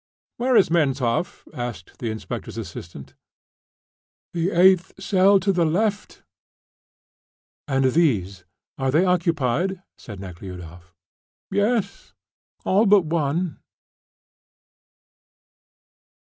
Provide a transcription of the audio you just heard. "Where is Menshoff?" asked the inspector's assistant. "The eighth cell to the left." "And these? Are they occupied?" asked Nekhludoff. "Yes, all but one."